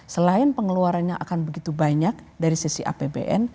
selain pengeluarannya akan begitu banyak dari sisi apbn